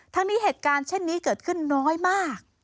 ทั้งนี้เหตุการณ์เช่นนี้เกิดขึ้นน้อยมาก